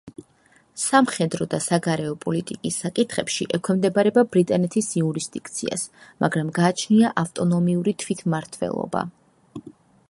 გერნზის ტერიტორია სამხედრო და საგარეო პოლიტიკის საკითხებში ექვემდებარება ბრიტანეთის იურისდიქციას, მაგრამ გააჩნია ავტონომიური თვითმმართველობა.